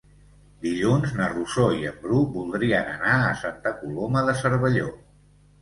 Dilluns na Rosó i en Bru voldrien anar a Santa Coloma de Cervelló.